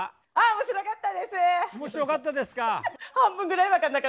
面白かったですか。